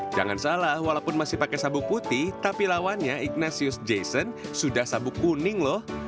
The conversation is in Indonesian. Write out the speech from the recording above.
jangan salah walaupun masih pakai sabuk putih tapi lawannya ignatius jason sudah sabuk kuning loh